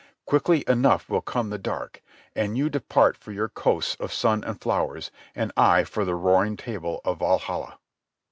Quickly enough will come the dark, and you depart for your coasts of sun and flowers, and I for the roaring table of Valhalla."